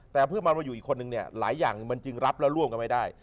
แต่เพื่อมันมาอยู่อีกคนนึงเนี่ยหลายอย่างมันจึงรับแล้วร่วมกันไม่ได้